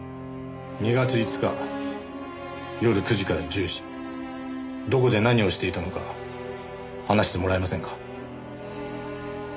２月５日夜９時から１０時どこで何をしていたのか話してもらえませんか？